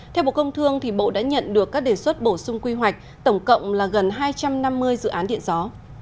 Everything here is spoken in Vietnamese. theo bộ công thương bộ đã nhận được các đề xuất bổ sung quy hoạch tổng cộng là gần hai trăm năm mươi dự án điện gió